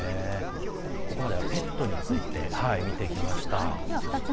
ここまではペットについて見てきました。